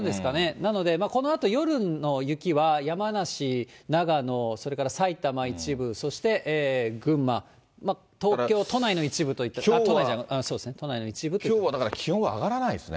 なので、このあと夜の雪は山梨、長野、それから埼玉一部、そして群馬、きょうはだから気温は上がらないですね。